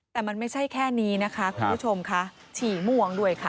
แต่มันไม่ใช่แค่นี้นะคะคุณผู้ชมค่ะฉี่ม่วงด้วยค่ะ